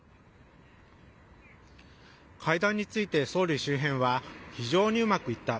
会談について総理周辺は非常にうまくいった。